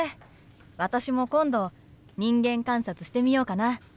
私も今度人間観察してみようかな。